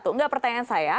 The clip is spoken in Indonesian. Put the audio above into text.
enggak pertanyaan saya